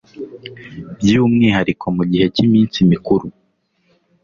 By’umwihariko mu gihe cy’iminsi mikuru